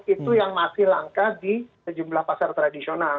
itu yang masih langka di sejumlah pasar tradisional